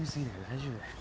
大丈夫だよ。